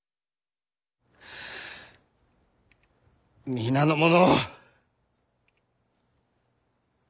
皆の者。